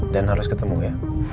dan harus ketemu ya